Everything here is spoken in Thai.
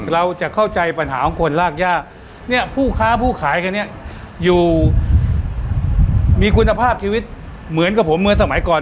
เราจะเข้าใจปัญหาของคนรากย่าเนี่ยผู้ค้าผู้ขายกันเนี่ยอยู่มีคุณภาพชีวิตเหมือนกับผมเมื่อสมัยก่อน